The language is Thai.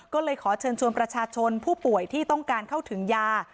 ก็เลยขอเชิญชวนประชาชนผู้ป่วยที่ต้องการเข้าถึงยา